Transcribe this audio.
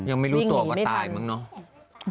ยังไม่รู้ตัวกว่าตายเหมือนกันเนอะ